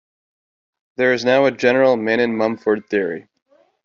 There is now a general 'Manin-Mumford' theory.